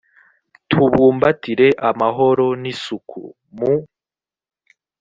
tubumbatire amahoro n isuku mu